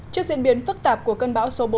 trước diễn biến phức tạp của cơn bão số bốn